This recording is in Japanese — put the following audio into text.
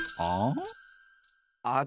あ？